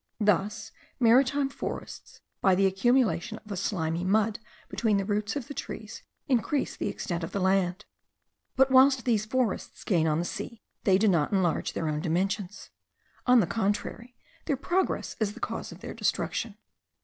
Thus, maritime forests, by the accumulation of a slimy mud between the roots of the trees, increase the extent of land. But whilst these forests gain on the sea, they do not enlarge their own dimensions; on the contrary, their progress is the cause of their destruction.